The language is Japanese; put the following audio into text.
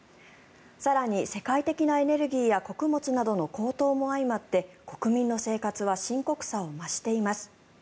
更に世界的なエネルギーや穀物などの高騰も相まって国民の生活は深刻さを増しています。